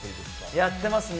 やってますね。